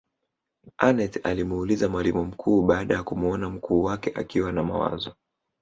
aneth alimuuliza mwalimu mkuu baada ya kumuona mkuu wake akiwa na mawazo